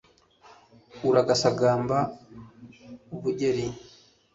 uragasagamba ubugeri